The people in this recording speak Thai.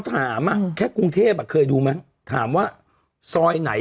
แต่คำถามว่า